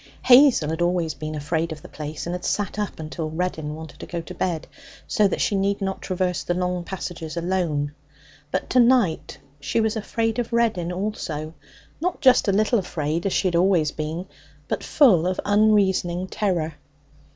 Hazel had always been afraid of the place, and had sat up until Reddin wanted to go to bed, so that she need not traverse the long passages alone. But to night she was afraid of Reddin also not just a little afraid, as she had always been, but full of unreasoning terror.